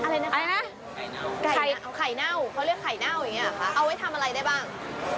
ไข่เน่าอะไรนะคะไข่เน่าเขาเลือกไข่เน่าอย่างนี้เอาไว้ทำอะไรได้บ้าง